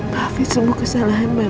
maafin semua kesalahan mama